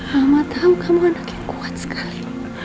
mama tau kamu anak yang kuat sekali